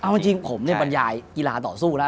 เพราะนักกีฬาเขารอมาเนอะบางคนแบบเป็นดาวรุ่งอย่างเนี่ย